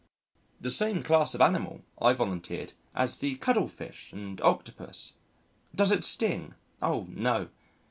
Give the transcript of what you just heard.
"The same class of animal," I volunteered, "as the Cuttlefish and Octopus." "Does it sting?" "Oh, no!"